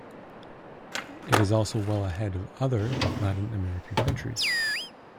It is also well ahead of other Latin American countries.